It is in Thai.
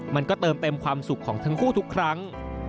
มันก็เติมเต็มความสุขของทั้งคู่ทุกครั้ง